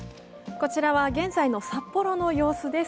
こちらは現在の札幌の様子です。